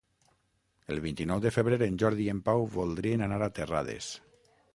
El vint-i-nou de febrer en Jordi i en Pau voldrien anar a Terrades.